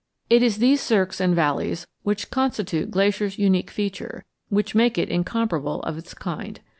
It is these cirques and valleys which constitute Glacier's unique feature, which make it incomparable of its kind.